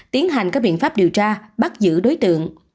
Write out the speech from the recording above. tiến hành các biện pháp điều tra bắt giữ đối tượng